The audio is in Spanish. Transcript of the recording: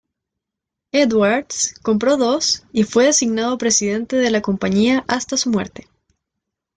Edwards compró dos y fue designado presidente de la compañía hasta su muerte.